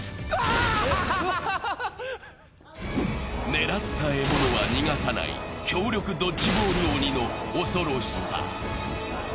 狙った獲物は逃がさない、強力ドッジボール鬼の恐ろしさ。